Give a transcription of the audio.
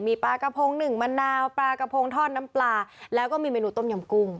มีปลากระพงหนึ่งมะนาวปลากระพงทอดน้ำปลาแล้วก็มีเมนูต้มยำกุ้ง